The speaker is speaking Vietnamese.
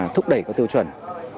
thúc đẩy giáo trình